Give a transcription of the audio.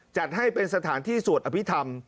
จัดให้เป็นสถานที่สวดอภิษฐรรม